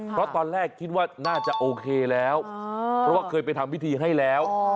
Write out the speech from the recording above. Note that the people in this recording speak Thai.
เพราะตอนแรกคิดว่าน่าจะโอเคแล้วเพราะว่าเคยไปทำพิธีให้แล้ว